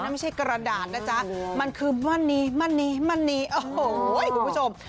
ไม่ใช่กระดาษนะจ๊ะมันคือมันนี้มันนี้มันนี้โอ้โหคุณผู้ชม